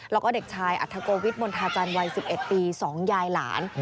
แล้วก็เด็กชายอัธโกวิทมณฑาจันทร์วัย๑๑ปี๒ยายหลาน